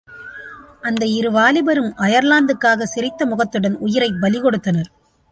அந்த இரு வாலிபரும் அயர்லாந்துக்காகச் சிரித்த முகத்துடன் உயிரைப் பலி கொடுத்தனர்.